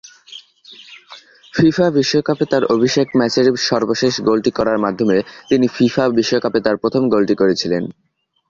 FIFA বিশ্বকাপে তার অভিষেক ম্যাচের সর্বশেষ গোলটি করার মাধ্যমে তিনি ফিফা বিশ্বকাপে তার প্রথম গোলটি করেছিলেন।